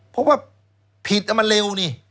เพราะว่าผิดมันเร็วนี่